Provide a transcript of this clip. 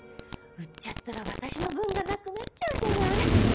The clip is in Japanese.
売っちゃったら私の分がなくなっちゃうじゃない。